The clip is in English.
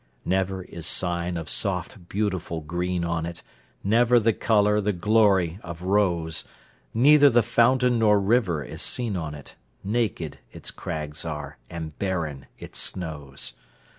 Never is sign of soft, beautiful green on it—Never the colour, the glory of rose! Neither the fountain nor river is seen on it, Naked its crags are, and barren its snows!